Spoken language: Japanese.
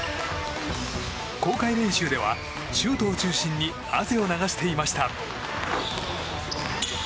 公開練習ではシュートを中心に汗を流していました。